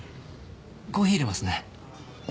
コーヒーいれますね。